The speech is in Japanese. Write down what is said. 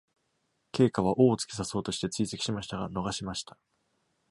荊軻（けいか）は王を突き刺そうとして追跡しましたが、逃しました。